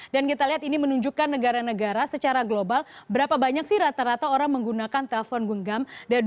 dan kita lihat ini menunjukkan negara negara secara global berapa banyak sih rata rata orang menggunakan telepon genggam